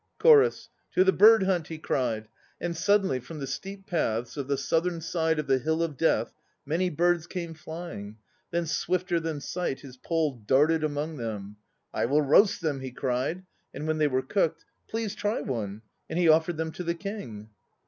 ..." CHORUS. "To the bird hunt," he cried, And suddenly from the steep paths of the southern side of the Hill of Death Many birds came flying. Then swifter than sight his pole Darted among them. "I will roast them," he cried. And when they were cooked, "Please try one," and he offered them to the King.